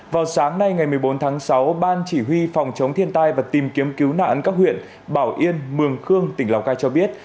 vào sáng nay ngày một mươi bốn tháng sáu ban chỉ huy phòng chống thiên tai và tìm kiếm cứu nạn các huyện bảo yên mường khương tỉnh lào cai cho biết